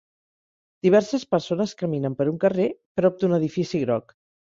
Diverses persones caminen per un carrer prop d'un edifici groc.